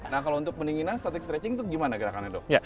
nah kalau untuk pendinginan static stretching itu gimana gerakannya dok